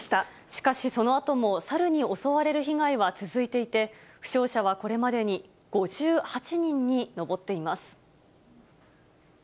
しかしそのあとも、サルに襲われる被害は続いていて、負傷者はこれまでに５８人に上っています。